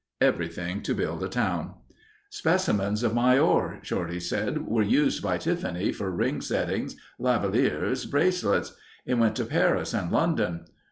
Everything to build a town. "Specimens of my ore," Shorty said, "were used by Tiffany for ring settings, lavallieres, bracelets. It went to Paris and London.